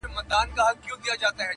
• دا کيسه تل پوښتنه پرېږدي..